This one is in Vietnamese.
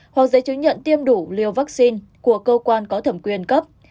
hoặc giấy chứng nhận tiêm đủ liều vaccine của cơ quan có thẩm quyền cấp